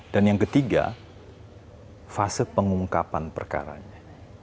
dan yang ketiga fase pengungkapan perkaranya